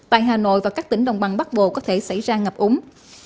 tại hà nội và các tỉnh đồng bằng bắc bộ có thể xảy ra ngập úng